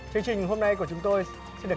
chương trình hôm nay của chúng tôi là